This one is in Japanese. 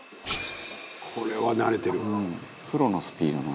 「これは慣れてるわ」